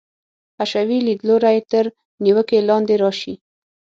حشوي لیدلوری تر نیوکې لاندې راشي.